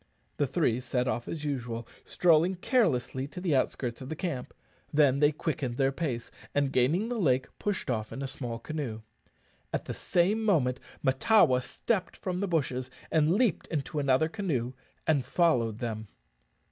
The three set off as usual, strolling carelessly to the outskirts of the camp; then they quickened their pace, and, gaining the lake, pushed off in a small canoe. At the same moment Mahtawa stepped from the bushes, leaped into another canoe, and followed them.